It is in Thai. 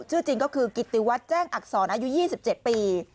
ชื่อจริงก็คือกิติวัตรแจ้งอักษรอายุ๒๗ปี